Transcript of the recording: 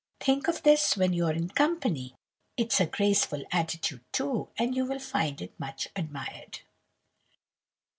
Think of this when you're in company. It's a graceful attitude too, and you will find it much admired.